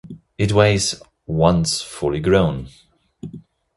It weighs once fully-grown.